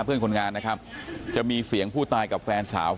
เพื่อนคนงานนะครับจะมีเสียงผู้ตายกับแฟนสาว